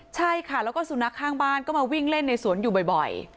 ใช่ค่ะแล้วก็สุนัขข้างบ้านก็มาวิ่งเล่นในสวนอยู่บ่อย